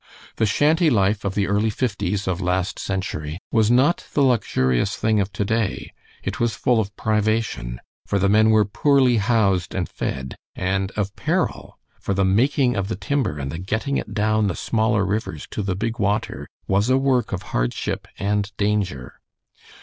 The shanty life of the early fifties of last century was not the luxurious thing of to day. It was full of privation, for the men were poorly housed and fed, and of peril, for the making of the timber and the getting it down the smaller rivers to the big water was a work of hardship and danger.